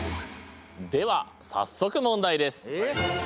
では早速問題です。